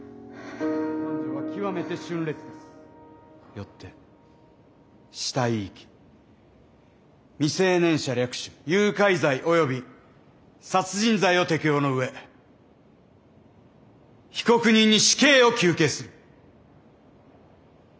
よって死体遺棄未成年者略取・誘拐罪及び殺人罪を適用の上被告人に死刑を求刑する！